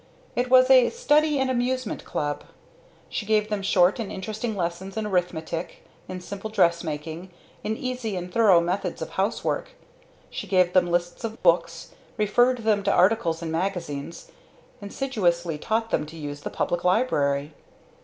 It was a "Study and Amusement Club." She gave them short and interesting lessons in arithmetic, in simple dressmaking, in easy and thorough methods of housework. She gave them lists of books, referred them to articles in magazines, insidiously taught them to use the Public Library.